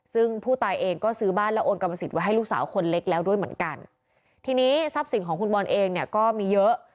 ซึ่งผู้ตายเองก็ซื้อบ้านแล้วโอนกรรมสิทธิไว้ให้ลูกสาวคนเล็กแล้วด้วยเหมือนกันทีนี้ทรัพย์สินของคุณบอลเองเนี่ยก็มีเยอะ